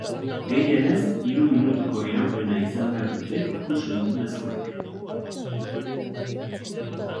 Gehienez hiru minutuko iraupena izan behar dute ikus-entzunezkoek.